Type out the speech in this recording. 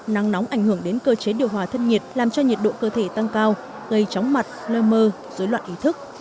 nắng nóng ảnh hưởng đến cơ chế điều hòa thân nhiệt làm cho nhiệt độ cơ thể tăng cao gây chóng mặt lơ mơ dối loạn ý thức